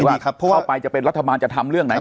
ว่าเข้าไปจะเป็นรัฐบาลจะทำเรื่องไหน